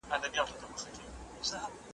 د پردیو خپلو ویني بهېدلې `